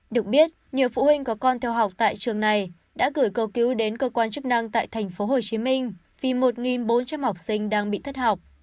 được biết nhiều phụ huynh có con theo học tại trường này đã gửi cầu cứu đến cơ quan chức năng tại tp hcm vì một bốn trăm linh học sinh đang bị thất học